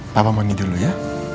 papa mau tidur dulu ya